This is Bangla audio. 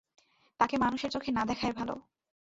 তাকে মানুষের চোখে না দেখাই ভালো।